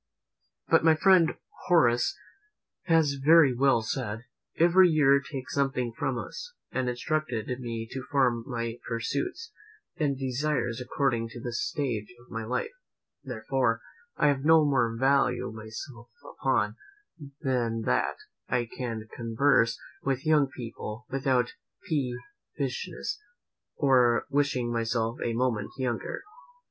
But my friend Horace has very well said: "Every year takes something from us;" and instructed me to form my pursuits and desires according to the stage of my life; therefore, I have no more to value myself upon, than that, I can converse with young people without peevishness, or wishing myself a moment younger.